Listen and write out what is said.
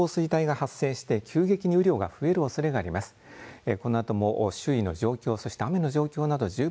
ただこのあとも線状降水帯が発生して急激に雨量が増えるおそれがあります。